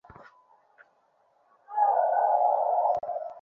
এদের অনেকেই ককটেলকে খেলনা ভেবে হাতে নিয়ে বিস্ফোরিত হয়ে হতাহত হয়েছে।